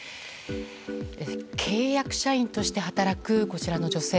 契約社員として働くこちらの女性。